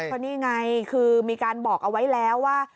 ก็นี่ไงคือมีการบอกเอาไว้แล้วว่า